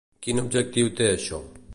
Quin objectiu té això?